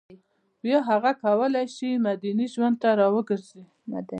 بیا هغه کولای شي مدني ژوند ته راوګرځي